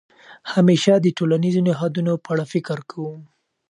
همېشه د ټولنیزو نهادونو په اړه فکر کوم.